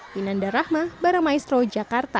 hinanda rahma baramaestro jakarta